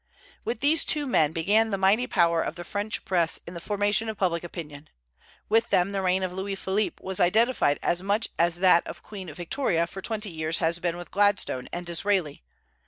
With these two men began the mighty power of the French Press in the formation of public opinion. With them the reign of Louis Philippe was identified as much as that of Queen Victoria for twenty years has been with Gladstone and Disraeli.